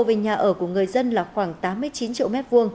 tổng diện tích nhà ở của người dân là khoảng tám mươi chín triệu m hai